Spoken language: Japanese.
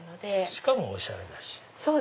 しかもおしゃれだし。